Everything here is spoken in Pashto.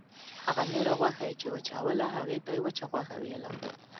هغه نوره غوښه یې چې وچوله هغې ته یې وچه غوښه ویله.